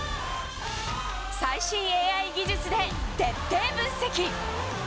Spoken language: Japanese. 最新ＡＩ技術で徹底分析。